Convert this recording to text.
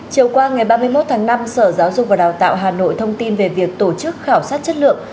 chiều qua ngày ba mươi một tháng năm sở giáo dục và đào tạo hà nội thông tin về việc tổ chức khảo sát chất lượng